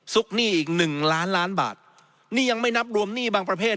หนี้อีกหนึ่งล้านล้านบาทนี่ยังไม่นับรวมหนี้บางประเภท